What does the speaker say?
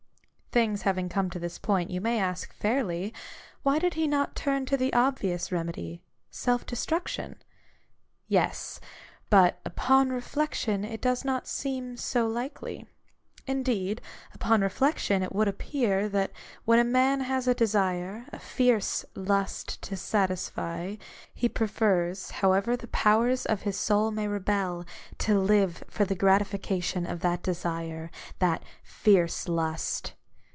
Things having come to this point, you may ask fairly : Why did he not turn to the obvious remedy — self destruction ? Yes ! But upon reflection it does not seem so likely. Indeed, upon reflection it would appear, that when a man has a desire, a fierce lust to satisfy, he prefers, however the powers of his soul may rebel, to live for the gratification of that desire, that fierce lust.